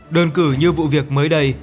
đơn cử như vụ việc mới đây